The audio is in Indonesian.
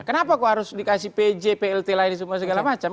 kenapa kok harus dikasih pj plt lainnya segala macam